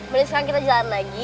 boleh sekarang kita jalan lagi